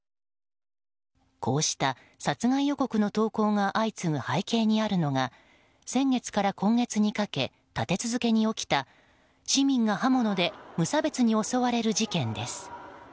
こうした殺害予告の投稿が相次ぐ背景にあるのが先月から今月にかけ立て続けに起きた市民が刃物で無差別に襲われる事件です。